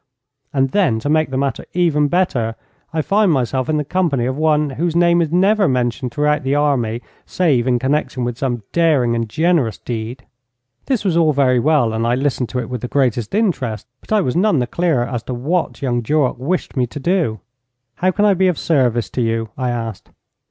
And then, to make the matter even better, I find myself in the company of one whose name is never mentioned throughout the army save in connection with some daring and generous deed.' This was all very well, and I listened to it with the greatest interest, but I was none the clearer as to what young Duroc wished me to do. 'How can I be of service to you?' I asked.